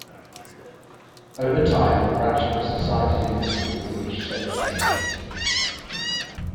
Over time, the fraction of a society's industry within each sector changes.